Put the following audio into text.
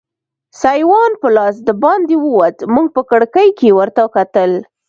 سایوان په لاس دباندې ووت، موږ په کړکۍ کې ورته کتل.